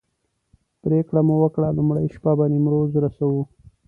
پرېکړه مو وکړه لومړۍ شپه به نیمروز رسوو.